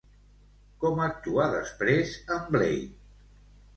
Com actua després en Blade?